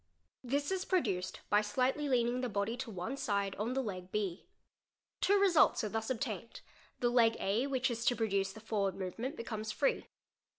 This is produced by slightly lear ing the body to one side on the leg B. Two results are thus obtained; he leg A which is to produce the forward movement becomes free.